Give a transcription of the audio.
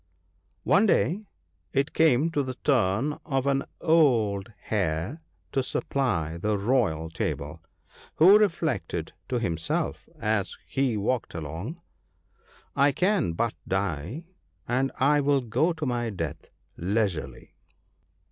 One day it came to the turn of an old hare to supply the royal table, who reflected to himself as he walked along, ' I can but die, and I will go to my death leisurely.'